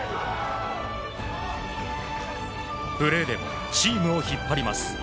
プレーでチームを引っ張ります。